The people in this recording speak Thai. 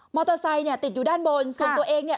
มอเตอร์ไซค์เนี้ยติดอยู่ด้านบนซึ่งตัวเองเนี้ย